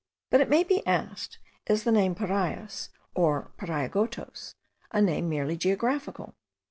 But it may be asked, is the name Parias or Pariagotos, a name merely geographical?